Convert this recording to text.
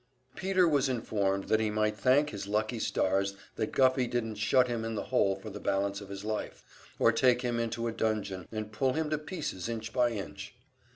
Peter was informed that he might thank his lucky stars that Guffey didn't shut him in the hole for the balance of his life, or take him into a dungeon and pull him to pieces inch by inch.